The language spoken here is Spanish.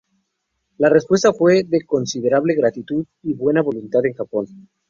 La respuesta fue de considerable gratitud y buena voluntad en Japón.